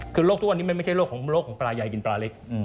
คือโรคทุกวันนี้มันไม่ใช่โรคของปลาใหญ่กินปลาเล็ก